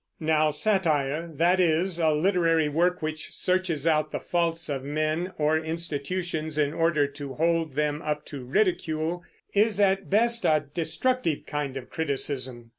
Now satire that is, a literary work which searches out the faults of men or institutions in order to hold them up to ridicule is at best a destructive kind of criticism.